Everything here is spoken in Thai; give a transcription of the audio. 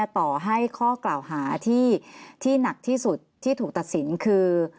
ต่อให้ข้อกล่าวหาที่หนักที่สุดที่ถูกตัดสินคือ